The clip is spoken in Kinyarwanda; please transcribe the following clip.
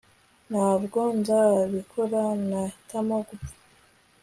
Ntabwo nzabikora Nahitamo gupfa